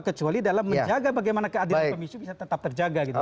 kecuali dalam menjaga bagaimana keadilan komisi bisa tetap terjaga